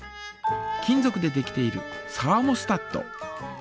金ぞくでできているサーモスタット。